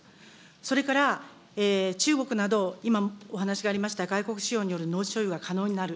それから、中国など今お話がありました外国資本による農地所有が可能になる。